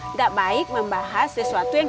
tidak baik membahas sesuatu yang